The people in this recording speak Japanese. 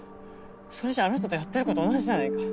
それじゃああの人とやってること同じじゃないか。